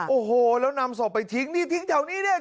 โอ้โหแล้วนำศพไปทิ้งนี่ทิ้งแถวนี้เนี่ย